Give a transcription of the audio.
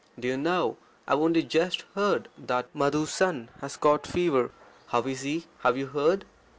Do you know, I've only just heard that Madhu's son has got fever. How is he? Have you heard?